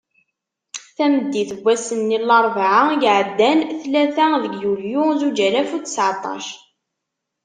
Tameddit n wass-nni n larebɛa i iɛeddan, tlata deg yulyu zuǧ alaf u seεṭac.